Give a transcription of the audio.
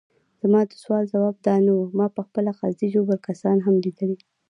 زما د سوال ځواب دا نه وو، ما پخپله قصدي ژوبل کسان هم لیدلي.